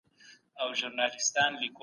تخنیک د کار د اسانتیا لپاره پراخ کارول کېږي.